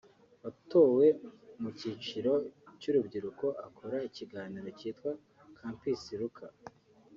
watowe mu cyiciro cy’urubyiruko akora ikiganiro cyitwa “Camps Luca”